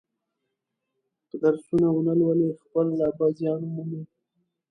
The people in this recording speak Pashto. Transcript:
که درسونه و نه لولي خپله به زیان و مومي.